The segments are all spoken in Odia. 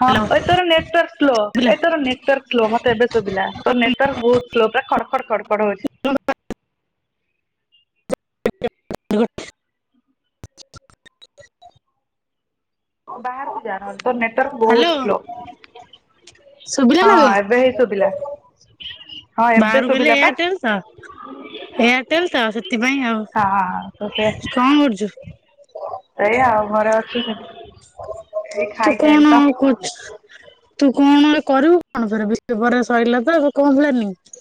ହଁ ହ୍ୟାଲୋ ଏ ତର ନେଟୱାର୍କ ସ୍ଲୋ ଶୁଭିଲା ଏ ତର ନେଟୱାର୍କ ସ୍ଲୋ ମତେ ଏବେ ଶୁଭିଲା ତ ନେଟୱାର୍କ ବହୁତ ସ୍ଲୋ। ପୁରା ଖଡ ଖଡ ଖଡ ଖଡ ହଉଚି। [inaudible] ବାହାରୁକୁ ଯା। ତ ନେଟୱାର୍କ ହ୍ୟାଲୋ ବହୁତ ସ୍ଲୋ ଶୁଭିଲା ନା ବେ ହଁ ଏବେ ହେଇ ଶୁଭିଲା। ହଁ ଏବେ ବାହାରକୁ ଗଲେ ଶୁଭିଲା ପା ଏୟାରଟେଲ ତ ଏୟାରଟେଲ ତ ସେଥିପାଇଁ ଆଉ। ହଁ ହଁ ତ ସେ କଣ କରୁଚୁ? ସେଇଆ ଆଉ ଘରେ ଅଛି ଏଇ ତୁ ଖାଇକି ଆଇଲି କଣ ପା କରୁଚୁ? ତୁ କଣ ଓରେ କରିବୁ କଣ କରିବୁ [unintelligible] ପରେ ସରିଲା ତ କଣ ପ୍ଲାନିଙ୍ଗ?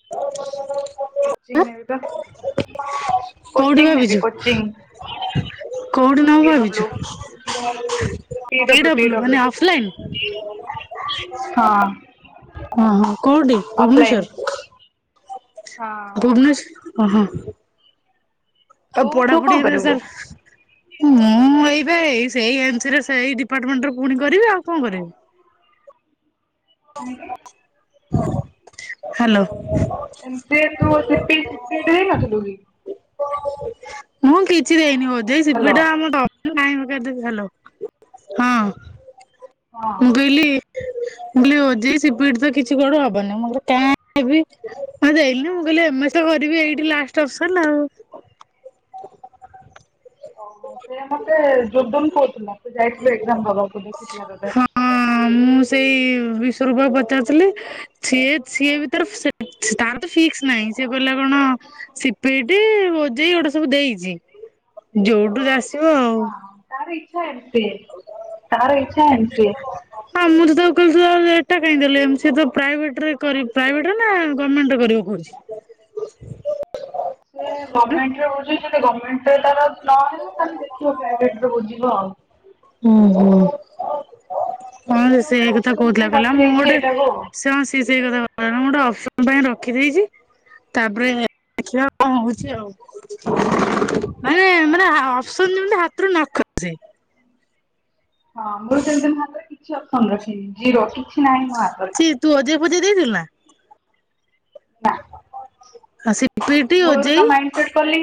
[inaudible] କୋଚିଂ ନେବି ତ କୋଉଠି କୋଚିଂ ନେବି ଭାବିଛୁ? କୋଚିଂ। କୋଉଠି ନଁ ପି ଭାବିଛୁ? W P W P P W W ମାନେ ଅଫଲାଇନ୍ ହଁ ଓ ହ କୋଉଠି ଅଫଲାଇନ ଭୁବନେଶ୍ଵର ହଁ ଭୁବନେସ ଓହ ଆଉ ତୁ ତୁ କଣ ପଢାପଢି ଏବେ କରିବୁ? ସାର ମୁଁ ଏଇ ଏ ସେଇ ଏଜରେ ସେଇ ଡିପାର୍ଟମେଣ୍ଟ ପୁଣି କରିବି ଆଉ କଣ କରିବି? ଆଜ୍ଞା। ହ୍ୟାଲୋ ଏମ ସେ ତୁ ସିପି ସିପିଟ ଦେଇ ନଥିଲୁ କି ମୁଁ କିଛି ଦେଇନି ବୋଧେ ସେଇ ହ୍ୟାଲୋ ସିପିଟ ଆମ ଅଫ ନାହିଁ ହଁ ହଁ। ମୁଁ କହିଲି ମୁଁ କହିଲି [unintelligible] ସିପିଟ ତ କିଛି କଡ ହବନି ମୁଁ କିଲ କାଇଁ ମୁ ଦେଲିି ମୁଁ କହିଲି ତମଶ ଘରିବି ଏଇଠି ଲାଷ୍ଟ ଅଫସନ୍ ଆଉ। ଓହଃ ସେ ମତେ ଯୋଗୁନ କହୁଥିଲା। ତ ଯାଇଥିଲୁ ଏକଜାମ ଦେବାକୁ ଦେଖିକଥିଲା ତୋତେ ବିଶ୍ୱରୂପା କୁ ପଚାରୁଥିଲି ସିଏ ସିଏ ଭିତରେ ସେ ତାର ତ ଫିକସ ନାହିଁ ସେ କହିଲା କଣ ହଁ ସିପିଇଟି ଓଜେଇ ଏଗୁଡା ସବୁ ଦେଇଛି ଯୋଉଠୁ ଆ ହ ତାର ଇଛା ଅଛି ତାର ଇଛା ଏନ୍ତି। ସେଟା କାଇଁ ଦେଲୁ ଏମ୍ ସେ ତ ପ୍ରାଇଭେଟ ରହି କରେ ପ୍ରାଇଭେଟ ର ନା ଗମେଣ୍ଟ ର କରେଇବ କହୁଛି। ସିଏ ଗମେଣ୍ଟ ରେ ହଉଛି। ଯଦି ଗମେଣ୍ଟ ରେ ତାର ନହେଲା ତାହେନେ ଦେଖିବ ପ୍ରାଇଭେଟ୍ ରେ ବୁଝିବ ଆଉ। ହୁଁ ହୁଁ। ହଁ ରେ ସେ ଗୋଟେ ଏଇ କଥା ଅପସନ କହୁଥିଲା ପାଇଁ କହିଲା ମୁଁ ରଖିଦେଇଛି ଗୋଟେ ଏଇଟାକୁ। ସେ ହଁ ସେ ସେଇ କଥା କହୁଥିଲା ମୁଁ ଗୋଟେ ଅଫ ସନ୍ ପାଇଁ ରଖିଦେଇଚି ତା ପରେ ଦେଖିବା କଣ ହଉଚି ଆଉ। ମାନେ ମାନେ ଆ ଅପସନ୍ ଯେମିତି ହାତରୁ ନଖସେ। ହଁ ମୁଁ ଯେମିତି ମୋ ହାତରେ କିଛି ଅପସନ୍ ରଖିନି ଜିରୋ କିଛି ନାହିଁ ମୋ ହାତରେ। ବୁଝି ଦେଇଥିଲୁ ନା? ନା। ଆସିପ୍ ମୂଳରୁ ତ ମାଇଣ୍ଡ ସେଟ୍ କଲି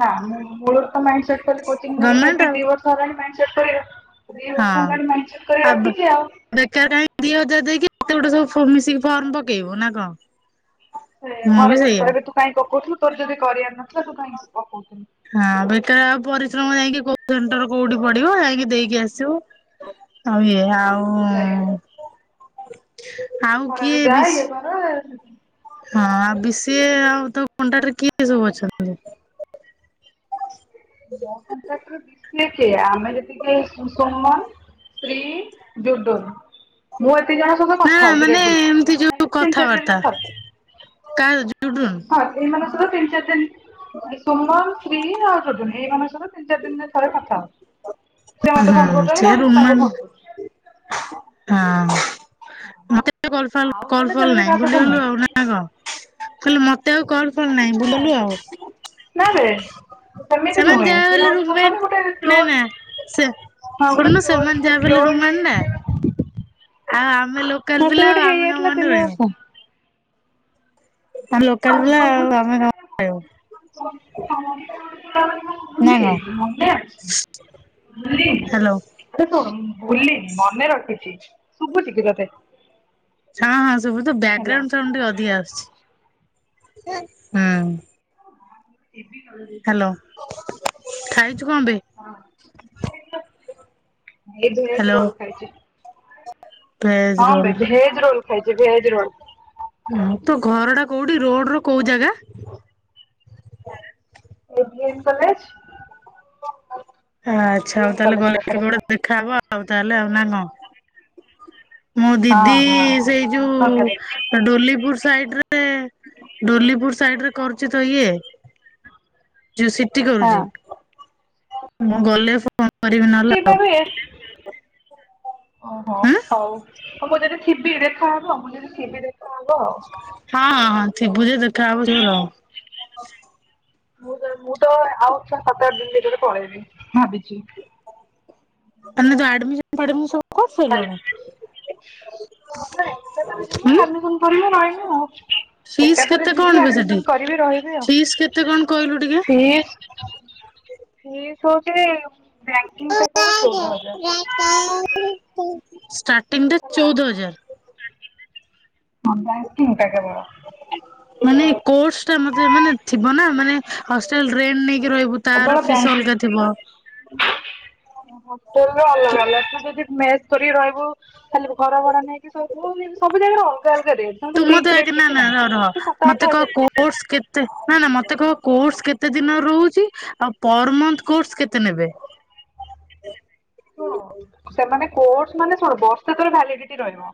ନା ମୁଁ ମୂଳରୁ ତ ମାଇଣ୍ଡ ସେଟ୍ କରି କୋଚିଙ୍ଗ ନେବି ଗମେଣ୍ଟ ନେବି ଆଉ ଦିବର୍ଷ ହେଲାଣି ମାଇଣ୍ଡ ସେଟ୍ କରି ଦି ହଁ ବର୍ଷ ହେଲାଣି ମାଇଣ୍ଡ ସେଟ୍ କରି ଆବ ରଖିଛି ଆଉ ବେକାର କାଇଁ ଦିହଜାର ଦେଇକି କି କେତେ ଗୋଟେ ସବୁ ମିଶିକି ଫର୍ମ ପକେଇବୁ ନା କଣ? ସେ ମୁଁ ଘରେ ବି ପୁଣି ସେଇଆ କହିବେ ତୁ କାହିଁ ପକଉଥିଲୁ ତୋର ଯଦି କରିବାର ନଥିଲା ତୁ କାହିଁକି ପକଉଥିଲୁ। ହଁ ବେକାରେ ଆଉ ପରିଶ୍ରମ ଯାଇକି କୋଉ ସେଣ୍ଟର କୋଉଠି ପଡିବ ଯାଇଁକି ଦେଇକି ଆସିବ। ଆଉ ଏ ଆଉଁ ସେଇଆ ଆଉ କିଏ ଖରାରେ ଯା ବିସି ଇଏ କର ହଁ ଆଉ ବିଷିଏ ଆଉ ତୋ କଣ୍ଟାକ୍ଟରେ କିଏ ସବୁ ଅଛନ୍ତି? ମୋ କଣ୍ଟାକ୍ଟ ରେ କିଏ କିଏ ଆମେ ଯେତିକି ଏଇ କୁସୁମ ଶ୍ରୀ ଡୋଡୋନ୍ ମୁଁ ଏ ଦି ଜଣ ସହିତ ନା କଥା ହଉଚି ମାନେ ରେଗୁଲାର ଏମିତି ଏଇ ମାନେ ଯୋଉ ତିନି ଚାରି ଦିନ କଥାବାର୍ତ୍ତା ରେ ଥରେ। କା ଜୁଡୁନ ହଁ ଏଇ ମାନେ ସବୁ ତିନ ଚାରି ଦିନ ସୁମନ ଶ୍ରୀ ଆଉ ଡୁଡ଼ୁନୁ ଏଇ ମାନେ ସ ଧର ତିନି ଚାରି ଦିନି ରେ ଥରେ କଥା ହୋଉଚୁ ସିଏ ମତେ ଫୋନ କରୁଚନ୍ତି ନା ମୁଁ ତାଙ୍କୁ ଫୋନ କରୁଚି। ହୁଁ। ମତେ ତ କଲ ଫଲ୍ ଆଉ କଲ ନହେଲେ ଫଲ୍ ସେମିତି ନାହିଁ କାହା ସହିତ ଭୁଲିଗଲୁ ଆଉ ନୁହେଁ। ନା କଣ? ମୁଁ କହିଲି ମତେ ଆଉ କଲ ଫଲ ଆରେ ନାହିଁ ଭୁଲିଗଲୁ ଆଉ- ନା ବେ ସେମିତି ସେମାନେ ନୁହେଁ ଯାହା ବି ସେ ହେଲେ ହଉଛି ରୁମମେଟ କଣ କହନି ନା ନା ଗୋଟେ ସେ [unintelligible] ହଁ ଶୁଣୁନୁ ସେମାନେ ଯାହା ବି ହେଲେ ରୁମମେଟ ଗୋଟେ ନା [unintelligible] ଆଉ ଆମେ ଲୋକାଲ ହଁ ସେ ପିଲା ଗୋଟେ ଆଉ ଆମେ କଣ ହେଇଯାଇଥିଲା ମନେ ତିନି ରହିବ। ବର୍ଷ। ଆମେ ଲୋକାଲ ପିଲା ଆଉ ଆମେ କଣ ମନେରହିବ। ଲୋକାଲ ପିଲା ବୋଲି କଣ ନା ଭୁଲି କଣ? ଯାଇଛୁ ମନେ ଅଛି। ଶ୍ରୀ ହ୍ୟାଲୋ। ଏଟା କଣ? ଭୁଲିନି ମନେ ରଖିଛି ଶୁଭୁଛି କି ତୋତେ? ହଁ ହଁ ଶୁଭୁଛି ତୋ ବ୍ୟାକଗ୍ରାଉଣ୍ଡ ସାଉଣ୍ଡ ଟିକେ ଅଧିକା ଆସୁଛି ହୁଁ। ହ୍ୟାଲୋ ଖାଇଛୁ କଣ ବେ? ଏ ଭେଜ୍ ରୋଲ ଖାଇଛି। ଭେଜ୍ ହଁ ରୋଲ୍ ବେ ଭେଜ ରୋଲ ଖାଇଛି ଭେଜ ରୋଲ। ତୋ ଘର ଟା କୋଉଠି ରୋଡ଼ ର କୋଉ ଜାଗା? AVM college. ଆଚ୍ଛା ହଉ ବିଏନ୍ ତାହେଲେ କଲେଜ ଗଲେ ପାଖରେ କେବେ ଗୋଟେ ଦେଖାହବ ଆଉ ତାହେଲେ ନା କଣ। ମୋ ହଁ ଦିଦି ହଁ ସେଇ ଯୋଉ ଡୋଲିପୁର୍ ସାଇଡ୍ ରେ ସେ ଡୋଲିପୁର ସାଇଡ଼ରେ ରେ କରୁଛି ତ ଇଏ। [unintelligible] ସେଠି ହଁ। କରୁଛି ମୁଁ ଗଲେ ଫୋନ କରିବି [unintelligible] ନହେଲେ ଆଉ ଓହୋ ହଁ ହଉ। ମୁଁ ଯଦି ଥିବି ଦେଖାହେବ। ହଁ ହ ହଁ ହଁ ଥିବୁ ଯେ ଦେଖା ହବ ଯଉ ର ମୁଁ ମୁଁ ତ ଆଉ ସାତ ଆଠ ଦିନ ଭିତରେ ପଳେଇବି ଭାବିଛି। ମାନେ ଯୋଉ ଆଡ଼ମିସନ୍ ଫାଡ଼ମିସନ୍ [unintelligible] ନାଇଁ ଏକାଥରେ ନୁହେଁ ଆଡ଼ମିସନ୍ କରିବ ରହିବ। ଫିସ୍ ଏକାଥରେ କେତେ କଣ ଜିବି ବେ ସେଠି? ଆଡ଼ମିସନ୍ କରିବି ରହିବି ଆଉ ଫିସ୍ କେତେ କଣ କହିଲୁ ଟିକେ? ଫିସ୍ [unintelligible] ଫିସ୍ ହଉଛି ବ୍ୟାଙ୍କିଙ୍ଗ୍ [unintelligible] ଚଉଦ ହଜାର। ଷ୍ଟାର୍ଟିଂରେ ହେଲା। ଚଉଦ ହଜାର। [unintelligible] କେବଳ ମାନେ କ୍ରୋସ୍ ଟା ମତେ ମାନେ ଥିବ ନା ମାନେ ହଷ୍ଟେଲ [unintelligible] ନେଇକି ରହିବୁ ତାର ଆପଣ ଫିସ୍ ଅଲଗା ଥିବ। [unintelligible] ହୋଟେଲ ରେ ଅଲଗା ଅଲଗା [unintelligible] ମେସ୍ କରିକି ରହିବୁ ଖାଲି ଘର ଭଡ଼ା ନେଇକି ସବୁ ଜାଗା ରେ ଅଲଗା ଅଲଗା ରେଟ୍ ସେମିତି ତୁ ମତେ ଫିକ୍ସ ଆଜି ରେଟ୍ ନା କିଛି ନା ର ରହ ନାହିଁ। ସାତ ଆଠ ମତେ କହ ହଜାର ପଡିବ। କୋର୍ସ୍ କେତେ ନା ନା ମତେ କହ କୋର୍ସ୍ କେତେ କେତେ ଦିନ ରହୁଛି ଆଉ ପରମନ୍ଥ କୋର୍ସ୍ କେତେ ନେବେ? ଶୁଣ ସେମାନେ କ୍ରୋର୍ସ ମାନେ କଣ ବର୍ଷକର ଭାଲିଡିଟି ରହିବ।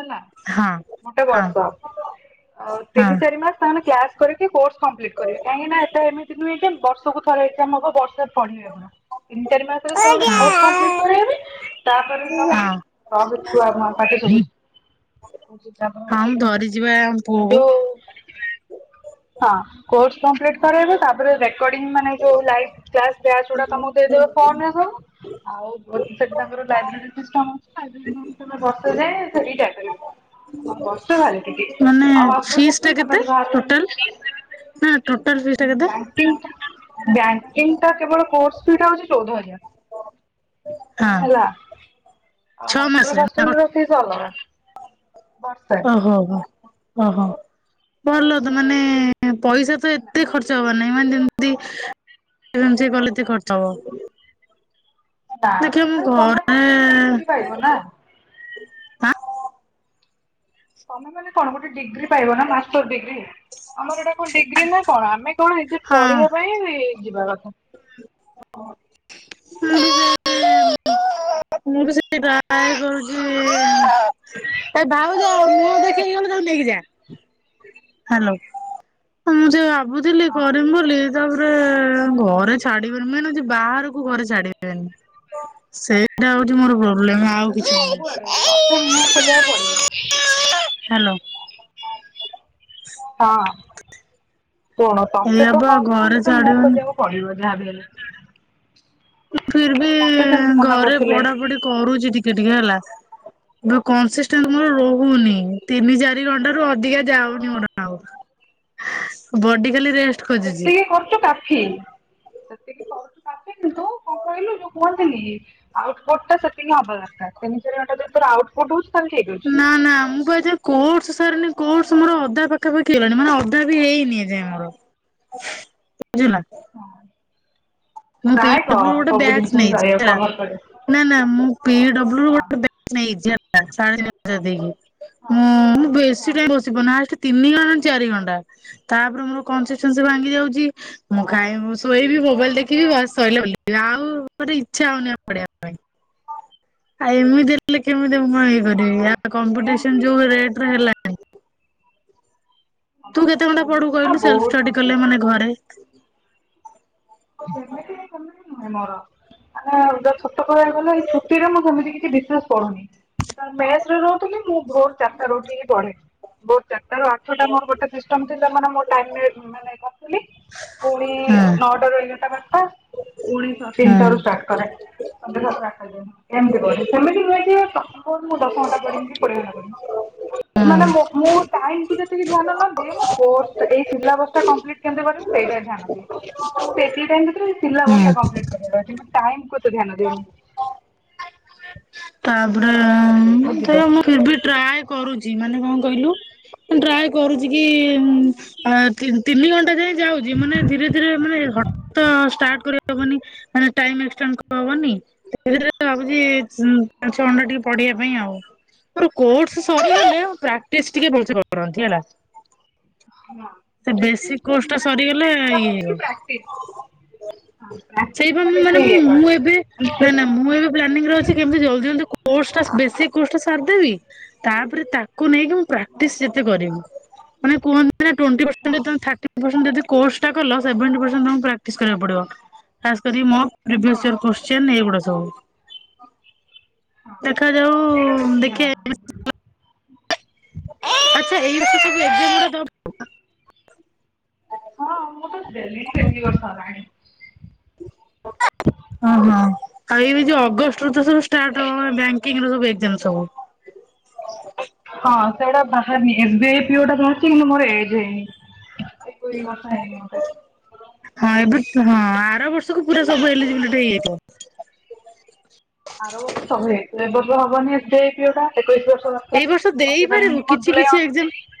ହେଲା ହଁ ଗୋଟେ ହଁ ବର୍ଷ ତିନି ହଁ ଚାରି ମାସ ତାଙ୍କର କ୍ୟା କରିକି କୋର୍ସ୍ କଂପ୍ଲିଟ୍ କରିବେ କାହିଁକିନା ଏଟା ଏମିତି ନୁହେଁ ଯେ ବର୍ଷକୁ ଥର ଏକ୍ଜାମ୍ ହବ ବର୍ଷ [unintelligible] ତିନି ଚାରି ମାସରେ ହଁ ତ କୋର୍ସ୍ କଂପ୍ଲିଟ୍ ହଁ। କରେଇବେ ତାପରେ ତମକୁ [unintelligible] ଛୁଆ ପାଟି ଶୁଭୁଛି। ତାପରେ ହଁ ମୁଁ ଧରିଚି ବା ଆମ ହଉଚି ପୁଅକୁ ଯୋଉ ହଁ କୋର୍ସ୍ କମ୍ପ୍ଲିଟ୍ କରେଇବେ ତାପରେ ରେକଡ଼ିଂ ମାନେ ଯୋଉ ଲାଇଭ୍ କ୍ଲାସ୍ ବ୍ୟାଚ୍ ଉରା ତମକୁ ଦେଇଦେବେ [unintelligible] ଆଉ ଗୋଟେ ତାଙ୍କର ଲାଇବ୍ରେରୀ ସିଷ୍ଟମ୍ ଲାଇବ୍ରେରୀ ରୁମ୍ ଟାରେ ବସା ଯାଏ ସେଠିକି ଯାଇପାରିବ। ବର୍ଷେ ଭାଲେଡି଼ଟି ମାନେ ଆଉ ଫିସ୍ ଟା କେତେ [unintelligible] ଟୋଟାଲ? ନା ଟୋଟାଲ ଫିସ୍ [unintelligible] ଟା କେତେ? ବ୍ୟାଙ୍କିଙ୍ଗ୍ ବ୍ୟାଙ୍କିଙ୍ଗ୍ ଟା କେବଳ କୋର୍ସ୍ [unintelligible] ହଉଛି ଚଉଦ ହଜାର [unintelligible] ହଁ। ହେଲା। ଆଉ ଛଅ ହଷ୍ଟେଲ୍ ମାସରେ ନା ବ ଫଷ୍ଟେଲ୍ ର ଫିସ୍ ଅଲଗା। ବର୍ଷେ। ଓହୋ ହୋ ଓହୋ ଭଲ ତ ମାନେ ପଇସା ତ ଏତେ ଖର୍ଚ୍ଚ ହବାର ନାହିଁ। ସେମାନେ ଯେମିତି ଗଲତି କରିଦବ। ନା ଆରେ ତମେ କଣ ଗୋଟେ ଡିଗ୍ରୀ ପାଇବ ନା? ହ [unintelligible] ତମେ ମାନେ କଣ ଗୋଟେ ଡିଗ୍ରୀ ପାଇବ ନା ମାଷ୍ଟର ଡିଗ୍ରୀ। ଆମର ଏଟା କଣ ଡିଗ୍ରୀ ନା କଣ ଆମେ କଣ ନିଜେ ପଢିବା ପାଇଁ ଯିବା କଥା। ହଁ। ମୁଁ ବି ସେଇ ଟାରଏ କରୁଚି। ଏ ଭାଉଜ ମୁହଁ ଦେଖେଇକି ଗଲ ତାକୁ ନି ନେଇକି ଯା ହାଲୋ ମୁଁ ଯୋଉ ଭାବୁଥିଲି ହଁ। କରିମ ବୋଲି ତାପରେ ଘରେ ଛାଡିବେନି ମେନ ହୋଉଚି। ବାହାରକୁ ଘରେ ଛାଡିବେନି ସେଇଟା ହୋଉ ମୋର ପ୍ରୋବ୍ଲେମ ଆଉ ସେଟା ତ କିଛି ସବୁଆଡେ ନୁ ତତେ ମୁହଁ ଖୋଲିବାକୁ ପଡିବ ହାଲୋ। କଣ ଏଇଆ ତତେତ ବା ହ ଘରେ [unintelligible] ଛାଡିବନି କରିବାକୁ ପଡିବ ଯାହାବି ହେଲେ। ଫିର ବି ମତେ ସେମିତି ମନା ଘରେ କରୁଥିଲେ ପଢାପଢି କରୁଚି ଟିକ ଟିକେ ଟିକେ ହେଲା କସିଷ୍ଟାଟ ମୋର ରହୁନି। ତିନି ଚାରି ଘଣ୍ଟା ରୁ ଅଧିକା ଯାଉନି ମୋର ଆଉ। ବଡି ଖାଲି ରେଷ୍ ସେତିକି କରୁଛୁ କାଫି ସେତିକି କରୁଛୁ କାଫି କିନ୍ତୁ କଣ କ କଣ କହିଲୁ ଯୋଉ କୁହନ୍ତିନି ଆଉଟପୁଟ ଟା ସେଟିିଙ୍ଗ ହେବା ଦରକାର। ସମିତିରେ ଯଦି ତୋର ଆଉଟପୁଟ ହୋଉଚି। ନା ନା ମୁଁ ପା ଏଜାଏଁ କୋଡସ ସାରନି। କୋରସ ମୋର ଅଧା ପାଖାପାଖି ହେଇଗଲାଣି। ମାନେ ଅଧା ବି ହେଇନି ଏଯାଁଏ ମୋର ବୁଝିହେଲା। ହଁ। ମୁଁ ପିଡବ୍ଲୁ ଗୋଟେ ବ୍ୟାଚ ନେଇଚି କରିବାକୁ ହେଲା। କଭର କରିବାକୁ। ନା ନା ମୁଁ ପି ଡ ବ୍ଲୁ ହଁ ଗୋଟେ ବ୳୲ଚ ନେଇଚି ହେଲ ସାଢେ ଚାରିହଜାର ଦେଇକି ହଁ ମୁଁ ବେଶୀ ହଁ ଟାଇମ ବସିପାରୁନି। ହାଷଟ ତିନି ଘଟା ଚାରି ଘଣ୍ଟା ତାପରେ ମୋର କନସିନ୍ସି ଭାଙ୍ଗି ଯାଉଚି। ମୁଁ ଖାଇ ଶୋଇବି ମୋବାଇଲ ଦେ ଏତିକି ବାସ ସଇଲା ବୁଲିବା ଆଉ ମୋତେ ଇଚ୍ଛା ହଉନି ପଢେଇବା ପାଇଁ। ଆଉ ଏମିତି ହେଲେ କେମି ମୁଁ ହଁ ହଁ ହେଇପାରିବି ସେ କମ୍ପିଟିସନ ଯୋଉ ରେଟରେ ହେଲାଣି। ତୁ କେତେ କମ୍ପିଟିସନ ଘଣ୍ଟା ବହୁତ ପଢୁ ନା କହିଲୁ ସେମ ବହୁତ ଷ୍ଟଡି କଲେ କମ୍ପିଟିସନ ମାନେ ଘରେ। [unintelligible] ନୁହେଁ ମୋର। ମାନେ ଯୋଉ ଛୋଟ କହିବାକୁ ଗଲେ ଏଇ ଛୁଟି ରେ ମୁଁ ସେମିତି କିଛି ବିଶେସ ପଢୁନି। ମେସେରେ ରହୁଥିଲି ମୁଁ ଭୋର ଚାରିଟା ରୁ ଉଠିକି ପଢେ। ଭୋର ଚା ଆଠଟା ମୋର ଗୋଟେ ସିଷ୍ଟମ ଥିଲା ମାନେ ମୋ ଟାଇମ ରେ ମାନେ କରୁଥିଲି। ପୁଣି ହଁ ନଅଟା ରୁ ଏଗାରଟା ବାରଟା ପୁଣି ତିନିଟା ରୁ ହଁ ଷ୍ଟାର୍ଟ କରେ। ସନ୍ଧ୍ୟା ସାତ ଆଠଟା ଏମିତି କରେ ସେମିତି ରେ ମୁଁ ଦଶ ଘଣ୍ଟା ପଢିବି କୋଡିଏ ଘଣ୍ଟା ପଢିବି। ମାନେ ହଁ ମୁଁ ଟାଇମ କୁ ଯେତିକି ଧ୍ୟାନ ନଦିଏ। ମୁଁ କୋର୍ସଟା ଏଇ ସିଲାବସ ଟା କମ୍ପିଲିଟ କେମିତି ସେଇଟା ଧ୍ୟାନ ଦିଏ। ସେତିକି ଟା ଭିତରୁ ସିଲାବସ ଟା ହଁ। କମ୍ପିଲିଟ କରିବାର ଅ ଟାଇମ କୁ ଏତେ ଧ୍ୟାନ ଦିଏନି। ତାପରେ ତ ବୁଝିଲ। ମୁଁ ଫିର ବି ଟ୍ରାଏ କରୁଚି। ମାନେ କଣ କହିଲୁ ଟ୍ରାଏ କରୁଛି କି ତି ତିନି ଘଣ୍ଟା ଯାଏ ଯାଉଛି ମାନେ ଧୀରେ ଧୀରେ ମାନେ ହଟ ଷ୍ଟାଟ କରି ଶୁବୁନି ଟାଇମ ଏଷ୍ଟ୍ରା [unintelligible] ଏଇଥି ପାଇଁ ଆଉ। ମୋର କୋରସ ସରିଗଲେ ପ୍ରାଟିସ ଟିକେ ଭଲସେ କରନ୍ତି ହେଲା। ହଁ ସେ ବେଶି ବେସିକ କୋର୍ସ ଟା ମାନେ ସରିଗଲେ କଣ ଇଏ କହିଲୁ ପ୍ରାକ୍ଟିଶ। ସେଇପା ମୁଁ ମାନେ ମୁଁ ଏବେ ନା ନା ମୁଁ ଏବେ ପ୍ଲାନିଂରେ ଅଛି। କେମିତି ଜଲଦି ଜଲଦି କ କୋର୍ସ ଟା ବେଶୀକ କୋର୍ସ ଟା ସାରିଦେବି। ତାପରେ ତାକୁ ନେଇକି ମୁଁ ପ୍ରାକ୍ଟିସ ଯେତେ କରିବି। ମାନେ କୁହନ୍ତି ଟୋନଟି ପ ହଁ ତମେ ଯଦି ଥାଟି ପସେନଡେଜ ଯଦି କୋର୍ସ ଟା କଲ ସେଭେନ ପରସେନଟ ତମକୁ ପ୍ରାଟିଶ କରିବାକୁ ପଡିବ। ଖାସ୍ କରି ମୋ ହଁ ପ୍ରିଭିଏସ୍ ଇୟର କୋଶ୍ଚିନ ଏଇଗୁଡା ସବୁ। ହଁ। ଦେଖାଯାଉ ସେଇଟା ବେଶୀ ଧ୍ୟାନ ଦେଖେ [unintelligible] ଆଛା ଏଇଡା ସବୁ ଯୋଉ ଏକଜାମ୍ ଗୁଡ଼ା ଦବା [unintelligible] ହଁ ମୁଁ ତ ଦେଲିନି ଦି ତିନି ବର୍ଷ ହେଲାଣି। ହଁ ହଁ। ଆଉ ଏଇ ଯୋଉ ଅଗଷ୍ଟ ରୁ ତ ସବୁ ଷ୍ଟାର୍ଟ ହେବ ବ୍ୟାଙ୍କିଙ୍କ ର ଏକଜାମ୍ ସବୁ। ହଁ ସେଇଟା ବାହାରନି ଏବେ ପି ଓ ଟା ବାହାରିଛି କିନ୍ତୁ ମୋର ଏଜ୍ ହେଇନି। [unintelligible] ଏକୋଇଶି ବର୍ଷ ହେଇନି ମତେ। ହଁ ଏବେ [unintelligible] ହଁ ଆର ବର୍ଷକୁ ପୁରା ସବୁ ଏଲିଜିବିଲଟି ହେଇଯାଇଥିବ। ଆର ବର୍ଷ ତ ହେଇ [unintelligible] ଏ ବର୍ଷ ହବନି S B I P O ଟା। ଏକୋଇଶ ବର୍ଷ ହୁଅନ୍ତା ଏଇ ବର୍ଷ ପକେଇ ଦେଇପାରିବୁ ପାରିବିନି ମୁଁ କିଛି ଜୁଲାଇ କିଛି ଏକ୍ଜାମ ଅ-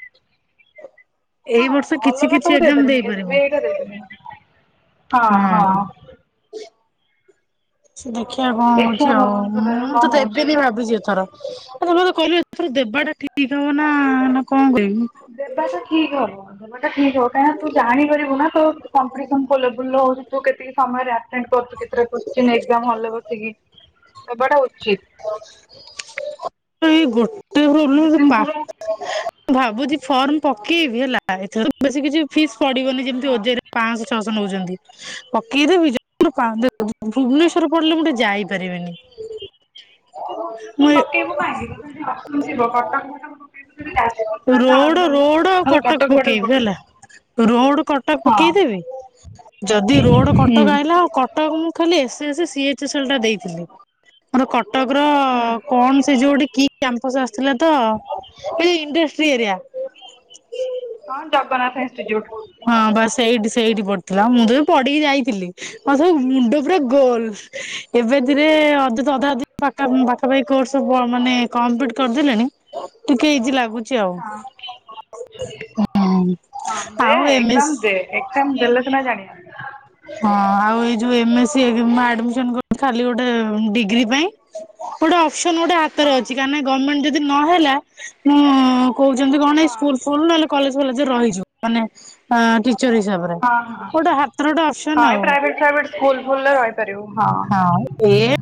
ଏଇ ହଁ ବର୍ଷ କିଛି ଅଲଗା କିଛି ସବୁ ଦେଇ ଏକ୍ଜାମ ପାରିବି ଏସ ଦେଇପାରିବୁ। ବି ଆଇ ର ଦେଇ ପାରିବିନି। ହଁ ହଁ। ଦେଖିବା କଣ ଦେଖିବା ହଉଛି। ଆଉ ଭଗବାନଙ୍କ ଦୟାରୁ ମୁଁ କଣ ତ ହଉଛି। ଦେବି [unintelligible] ନି ଭାବୁଛି ଏଥର। ଆ ମତେ କହିଲୁ ଏଥର ଦେବାଟା ଠିକ୍ ହବ ନା ନା କଣ କରିବି? ଦେବା ଟା ଠିକ ହବ। ଦବା ଟା ଠିକ ହବ କାହିଁକନା ତୁ ଜାଣିପାରିବୁ ନା ତୋ କମ୍ପିଟିସନ ଲେବୁଲ ହଉ ତୁ କେତିକି ସମୟରେ ଆଟେ କାଇଁ କହ ଟି କେତେଟା କୁଶ୍ଚିନ ଏକ୍ସାମ୍ ହଲ୍ ରେ ବସିକି ଦେବାଟା ଉ ଏଇ ଗୋଟ [unintelligible] ଦି ମୁଁ ତିନି ଥର ଭାବୁଛି ଫର୍ମ ପକ କିଏ ବି ହେଲା ଏଥର ବେଶୀ କିଛି ଫିସ୍ ପଡ଼ିବନି ଯେମିତି ହଁ। ଓଜେଇରେ ପାଁଶ ଛଅଶ କେତେ ନଉଛନ୍ତି ପକେଇଦେବି [unintelligible] ଭୁବନେଶ୍ଵରରୁ ପଡ଼ିଲେ ମୁଁ ଟିକେ ଯାଇପାରିବିନି। ତୁ ଭୁବନେଶ୍ୱର ମୁଁ ପକେଇବୁ କାହିଁକି [unintelligible] ଯଦି ଆସୁଥିବ କଟକ ଭଦ୍ରକ ପକେଇବୁ କି ଯାଜପୁର ତାହେଲେ ଆହୁରି ରୋଡ ଭଲ ରୋଡ ଆଉ ନହେଲେ କଟକ ଫଟକ ପକେଇବି ହେଲା ପକେଇବୁ ରୋଡ କଟକ ହଁ। ପକେଇଦେବି। ଯଦି ରୋଡ କଟକ ହୁଁ। ଆଇଲା କଟକ ମୁଁ ଖାଲି ଏସ୍ ମୁଁ ସେ ସି ଏଚ୍ ଏସ୍ ଏଲ୍ ଟା ଦେଇଥିଲି। ମୋର ହୁଁ କଟକର- କଣ ସେ ଯୋଉଠି କି ଆମ୍ବେ ହଁ ସେ ଆସିଥିଲା ତ- ଏଇ ଇଣ୍ଡଷ୍ଟ୍ରି ଏରିଆ। ହଁ ଜଗନ୍ନାଥ ଇନଷ୍ଟିଚ୍ୟୁଟ ହଁ ବାସ୍ ସେଇଠି ସେଇଠି ପଡି ଥିଲା ମୁଁ ତ ଯୋଉ ପଢ଼ିକି ଯାଇଥିଲି ମୋ ସବୁ ମୁଣ୍ଡ ପୁରା ଗୋଲ ଏବେ ଏଥିରେ ଅଯଥ ଅଧା ଅଧି ପାଖାପାଖି କୋର୍ସ ସବୁ ମାନେ କମ୍ପ୍ଲିଟ କରିଦେଲିଣି ଟିକେ ଇଜି ଲାଗୁ [unintelligible] ଏମିତି ଆଉ ହଁ। [unintelligible] ହଁ ଦେ ଆଉ ଏମ ଏକ୍ସାମ ଏସ୍ ଦେ ଏକ୍ସାମ୍ ଦେଲେ ସିନା ଜାଣିବ। ହଁ ଆଉ ଏ ଯୋ M S C M A admission କରିଛି ଖାଲି ଗୋଟେ ଡିଗ୍ରୀ ପାଇଁ ହେଇଟା ସେ ନୁ ଗୋଟେ ହାତରେ ହଁ। ଅଛି କାହିଁକି ନା ଗମେଣ୍ଟ ଯଦି ନହେଲା ମୁଁ କହୁଛନ୍ତି କଣ ନା ଏଇ ହଁ ସ୍କୁଲ୍ ଫୁଲ୍ ନହେଲେ କଲେଜ ଫଲେଜରେ ରହିଯିବ ମାନେ ଲେକ୍ଚର୍ ହିସାବରେ ହଁ ହଁ ଗୋଟେ ହାତରେ ଗୋଟେ ଆସି ହଁ ଏ ପ୍ରାଇଭେଟ୍ ପ୍ରାଇଭେଟ୍ ସ୍କୁଲ୍ ଫୁଲ୍ ରେ ରହିପାରିବୁ ହଁ।